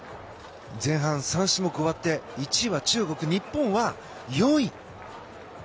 前半３種目終わって１位は中国、日本は４位。